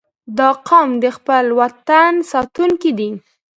• دا قوم د خپل وطن ساتونکي دي.